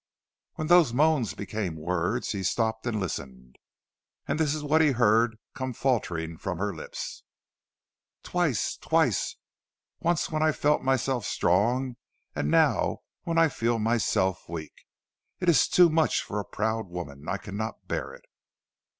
When those moans became words, he stopped and listened, and this was what he heard come faltering from her lips: "Twice! twice! Once when I felt myself strong and now when I feel myself weak. It is too much for a proud woman. I cannot bear it."